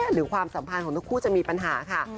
ความสัมพันธ์ของทั้งคู่จะมีปัญหาค่ะ